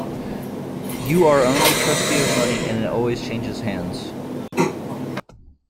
You are only trustee of money and it always changes hands.